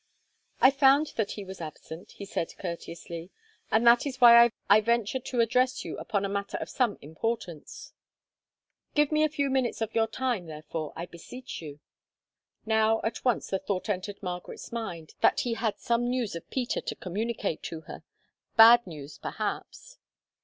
"I found that he was absent," he said courteously, "and that is why I venture to address you upon a matter of some importance. Give me a few minutes of your time, therefore, I beseech you." Now, at once the thought entered Margaret's mind that he had some news of Peter to communicate to her—bad news perhaps.